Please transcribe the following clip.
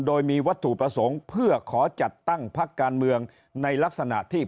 โดยมีวัตถุประสงค์เพื่อขอจัดตั้งพักการเมืองในลักษณะที่